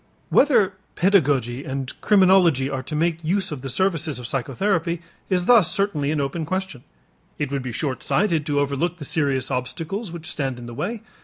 Whether pedagogy and criminology are to make use of the services of psychotherapy is thus certainly an open question. It would be short sighted to overlook the serious obstacles which stand in the way.